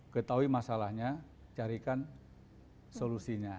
ketahui masalahnya carikan solusinya